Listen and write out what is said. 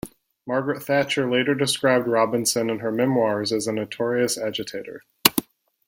Margaret Thatcher later described Robinson in her memoirs as a "notorious agitator".